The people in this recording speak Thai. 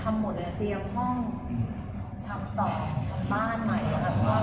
หรือเป็นอะไรที่คุณต้องการให้ดู